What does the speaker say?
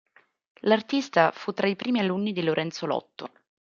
L'artista fu tra i primi alunni di Lorenzo Lotto.